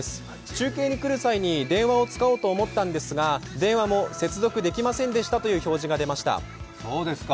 中継に来る際に電話を使おうと思ったんですが電話も接続できませんでしたという表示が出ました。